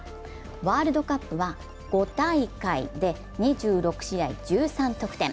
ワールドカップは５大会で２６試合１３得点。